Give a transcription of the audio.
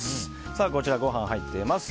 こちらご飯入っています。